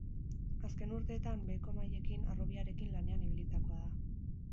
Azken urteetan beheko mailekin, harrobiarekin lanean ibilitakoa da.